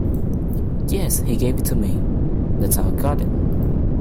Yes, he gave it to me. That's how I got it.